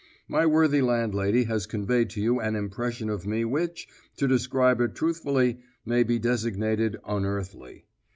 My worthy landlady has conveyed to you an impression of me which, to describe it truthfully, may be designated unearthly.